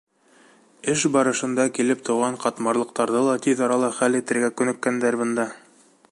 Эш барышында килеп тыуған ҡатмарлыҡтарҙы ла тиҙ арала хәл итергә күнеккәндәр бында.